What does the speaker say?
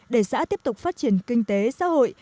để xã tiếp tục phát triển kinh tế xã hội